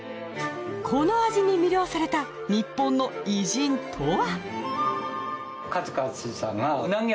この味に魅了されたニッポンの偉人とは！？